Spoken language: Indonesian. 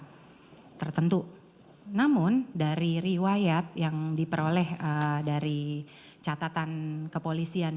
terhadap satu permasalahan tertentu namun dari riwayat yang diperoleh dari catatan kepolisian